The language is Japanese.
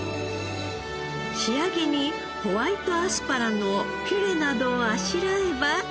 仕上げにホワイトアスパラのピュレなどをあしらえば完成。